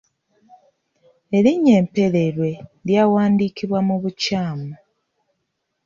Erinnya ‘Mpereerwe’ lyawandiikibwa mu bukyamu.